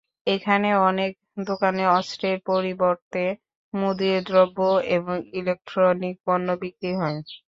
এখানে অনেক দোকানে অস্ত্রের পরিবর্তে মুদির দ্রব্য এবং ইলেকট্রনিক পণ্য বিক্রি হয়।